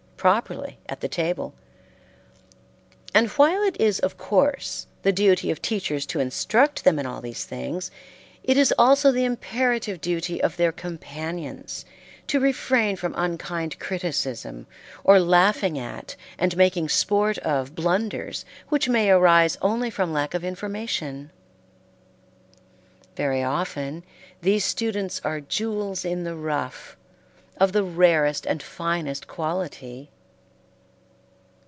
properly at the table; and while it is of course the duty of teachers to instruct them in all these things, it is also the imperative duty of their companions to refrain from unkind criticism or laughing at and making sport of blunders which may arise only from lack of information. Very often these students are "jewels in the rough," of the rarest and finest quality.